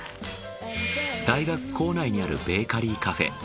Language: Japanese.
大学構内にあるベーカリーカフェ。